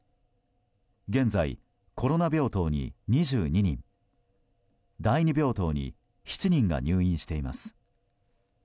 現在、コロナ病棟に２２人第２病棟に７人が入院しています。